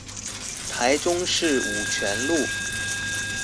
台中市五權路